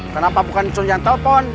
kenapa bukan suruh yang telpon